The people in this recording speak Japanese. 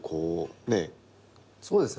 そうですね。